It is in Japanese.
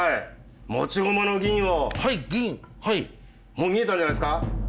もう見えたんじゃないですか？